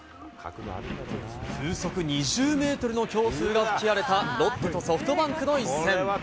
風速２０メートルの強風が吹き荒れたロッテとソフトバンクの一戦。